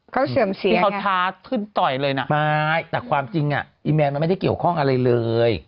เขาเสื่อมเสียแค่ไงไม่แต่ความจริงอ่ะอีแมนมันไม่ได้เกี่ยวข้องอะไรเลย